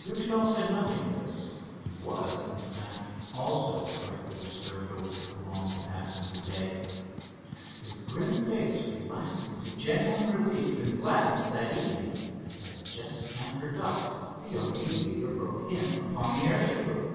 Grimshaw said nothing to this. He was, in fact, also a trifle disturbed over the prolonged absence of Dave. His grim face relaxed into genuine relief and gladness that evening, as, just after dusk, the young aviator broke in upon the airship group.